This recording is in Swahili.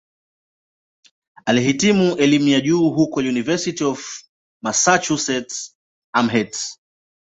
Alihitimu elimu ya juu huko "University of Massachusetts-Amherst".